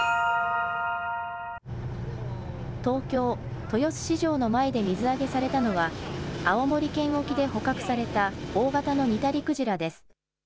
東京、豊洲市場の前で水揚げされたのは青森県沖で捕獲された大型のニタリクジラです。